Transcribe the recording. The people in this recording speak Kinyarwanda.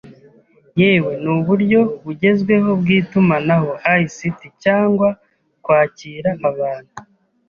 yewe n’uburyo bugezweho bw’itumanaho (ICT) cyangwa kwakira abantu